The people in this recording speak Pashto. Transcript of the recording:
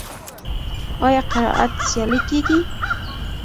آیا قرائت سیالۍ کیږي؟